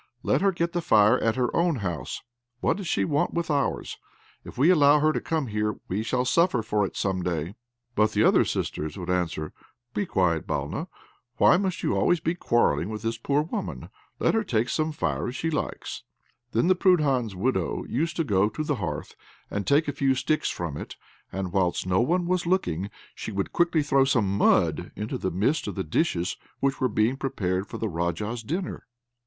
Let her get the fire at her own house. What does she want with ours? If we allow her to come here, we shall suffer for it some day." But the other sisters would answer, "Be quiet, Balna; why must you always be quarrelling with this poor woman? Let her take some fire if she likes." Then the Prudhan's widow used to go to the hearth and take a few sticks from it; and whilst no one was looking, she would quickly throw some mud into the midst of the dishes which were being prepared for the Raja's dinner.